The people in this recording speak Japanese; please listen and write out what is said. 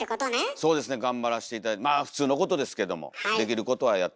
そうですね頑張らして頂いてまあ普通のことですけどもできることはやってます。